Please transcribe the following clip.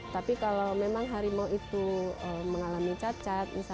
tapi kalau memang harimau itu mengalami cacat